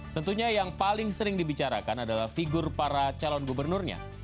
tentunya yang paling sering dibicarakan adalah figur para calon gubernurnya